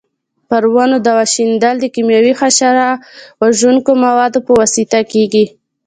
پر ونو دوا شیندل د کېمیاوي حشره وژونکو موادو په واسطه کېږي.